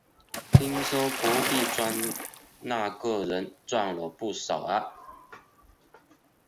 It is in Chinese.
听说隔壁庄那个人赚了不少啊